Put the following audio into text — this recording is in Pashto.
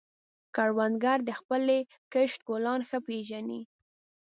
کروندګر د خپلې کښت ګلان ښه پېژني